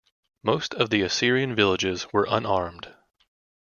Most of the Assyrian villages were unarmed.